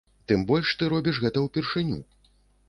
Тым больш ты робіш гэта ўпершыню.